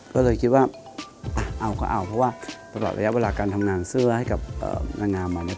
ก็เลยคิดว่าเอาก็เอาเพราะว่าตลอดระยะเวลาการทำงานเสื้อให้กับนางงามมาเนี่ย